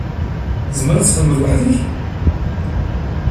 Tzemreḍ ad txedmeḍ weḥd-k?